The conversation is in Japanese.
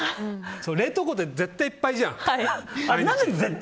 冷凍庫って絶対いっぱいじゃん。